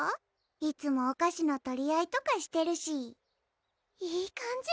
いつもお菓子の取り合いとかしてるしいい感じ